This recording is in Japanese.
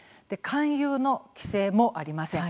勧誘の規制もありません。